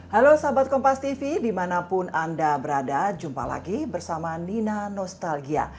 halo sahabat kompas tv dimanapun anda berada jumpa lagi bersama nina nostalgia